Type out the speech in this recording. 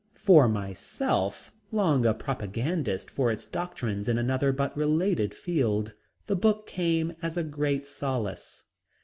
For myself, long a propagandist for its doctrines in another but related field, the book came as a great solace.